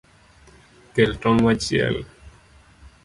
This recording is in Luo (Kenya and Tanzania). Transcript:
Kel tong’ wachiel